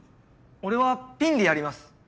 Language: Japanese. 俺はピンでやります。